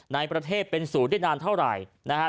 ในประเทศเป็นศูนย์ได้นานเท่าไหร่นะฮะ